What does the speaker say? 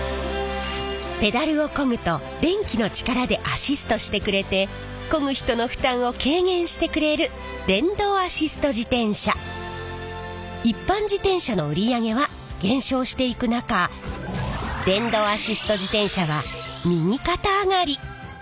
ペダルをこぐと電気の力でアシストしてくれてこぐ人の負担を軽減してくれる一般自転車の売り上げは減少していく中電動アシスト自転車は右肩上がり。